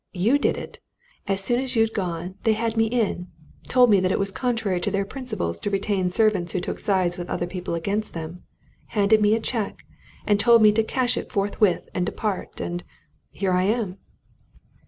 "You did it! As soon as you'd gone, they had me in, told me that it was contrary to their principles to retain servants who took sides with other people against them, handed me a cheque, and told me to cash it forthwith and depart. And here I am!"